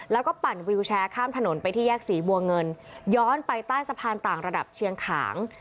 แล้วก็ปั่นวิวแชร์ข้ามถนนไปที่แยกศรีบัวเงินย้อนไปใต้สะพานต่างระดับเชียงขาง